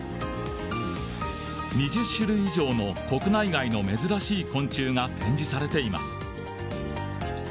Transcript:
２０種類以上の国内外の珍しい昆虫が展示されています。